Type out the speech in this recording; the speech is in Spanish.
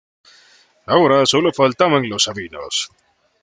Ahora sólo faltaban los sabinos.